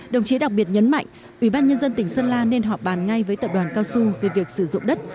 đồng chí đặc biệt nhấn mạnh ủy ban nhân dân tỉnh sơn la nên họp bàn ngay với tập đoàn cao su về việc sử dụng đất